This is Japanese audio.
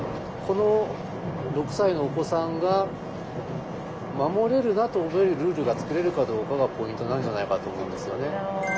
この６歳のお子さんが守れるなと思えるルールが作れるかどうかがポイントなんじゃないかと思うんですよね。